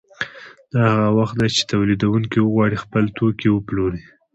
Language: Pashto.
دا هغه وخت دی چې تولیدونکي وغواړي خپل توکي وپلوري